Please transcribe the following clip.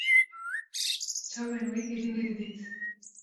Çavên wê êdî nedîdît